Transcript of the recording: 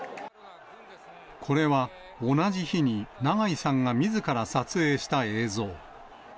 これは同じ日に長井さんがみずから撮影した映像。